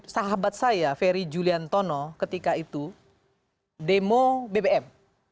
sahabat saya ferry julian tono ketika itu demo bbm